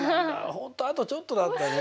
ホントあとちょっとだったね。